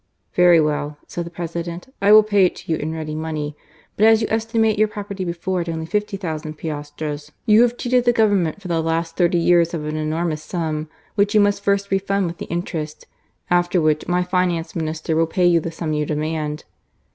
" Very well," said the President, " I will pay it to you in ready money ; but as you estimated your property before at only 50,000 piastres, you have cheated the Government for the last thirty years of an enormous sum, which you must first refund with the interest, after which my Finance Minister will pay you the sum you demand."